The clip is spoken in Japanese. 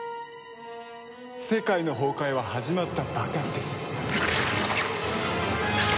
世界の崩壊は始まったばかりです。